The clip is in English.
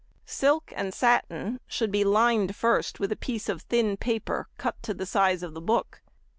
Silk and Satin should be lined first with a piece of thin paper cut to the size of the book.